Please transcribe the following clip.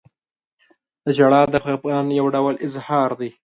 • ژړا د خفګان یو ډول اظهار دی.